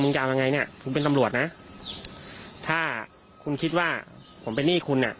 จะเอายังไงเนี่ยผมเป็นตำรวจนะถ้าคุณคิดว่าผมเป็นหนี้คุณอ่ะ